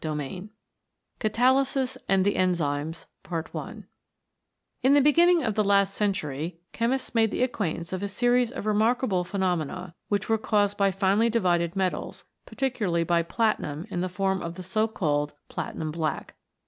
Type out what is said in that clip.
CHAPTER VIII CATALYSIS AND THE ENZYMES IN the beginning of the last century chemists made the acquaintance of a series of re markable phenomena, which were caused by finely divided metals, particularly by platinum in the form of the so called Platinum black.